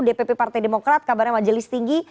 dpp partai demokrat kabarnya majelis tinggi